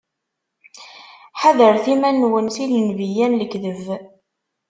Ḥadret iman-nwen si lenbiya n lekdeb!